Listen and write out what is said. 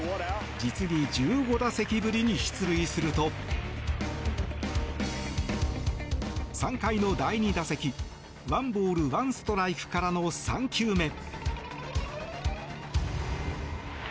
実に１５打席ぶりに出塁すると３回の第２打席ワンボールワンストライクからの３球目。